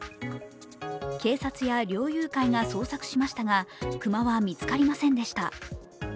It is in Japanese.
警察や猟友会が捜索しましたが熊は見つかりませんでした。